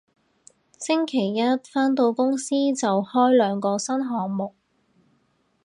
星期一返到公司就開兩個新項目